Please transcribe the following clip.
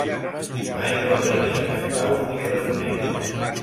Mai no prenien esclaus ni presoners.